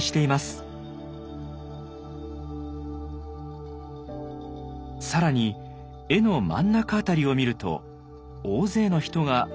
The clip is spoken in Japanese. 更に絵の真ん中辺りを見ると大勢の人が何かをしています。